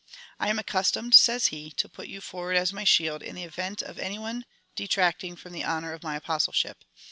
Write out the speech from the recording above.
" I am accustomed,'' says he, '•' to put you forward as my shield, in the event of any one detracting from the honour of my Apostleship."